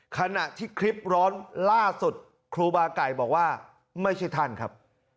ขณะที่คลิปร้อนล่าสุดครูบาไก่บอกว่าไม่ใช่ท่านครับ